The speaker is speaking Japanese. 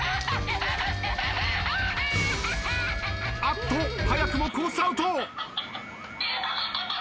あっと。早くもコースアウト。